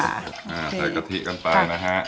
ใส่กะทิกันไปนะฮะ